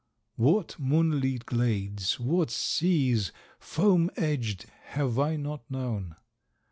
_) "What moonlit glades, what seas, Foam edged, have I not known!